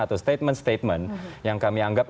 atau statement statement yang kami anggap